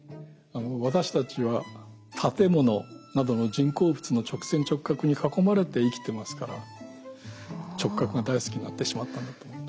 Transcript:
私たちは建物などの人工物の直線・直角に囲まれて生きてますから直角が大好きになってしまったんだと思います。